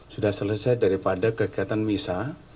sudah selesai daripada kegiatan misa